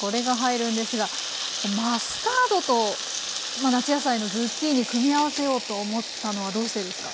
これが入るんですがマスタードと夏野菜のズッキーニ組み合わせようと思ったのはどうしてですか？